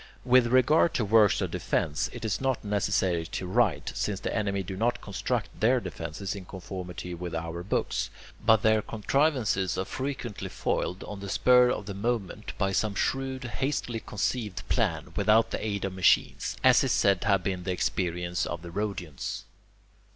With regard to works of defence, it is not necessary to write, since the enemy do not construct their defences in conformity with our books, but their contrivances are frequently foiled, on the spur of the moment, by some shrewd, hastily conceived plan, without the aid of machines, as is said to have been the experience of the Rhodians.